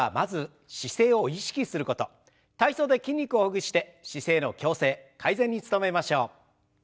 体操で筋肉をほぐして姿勢の矯正改善に努めましょう。